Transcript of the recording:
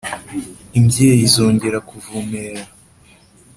Imbyeyi zongera kuvumera.